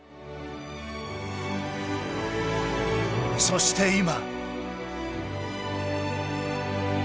そして、今。